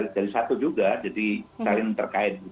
dari satu juga jadi saling terkait